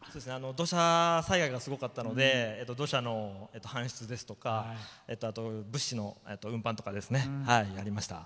土砂災害がすごかったので土砂の搬出ですとかあと物資の運搬とかですねやりました。